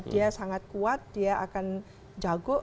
dia sangat kuat dia akan jago